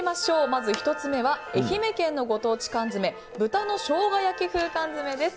まず１つ目は愛媛県のご当地缶詰豚の生姜焼き風缶詰です。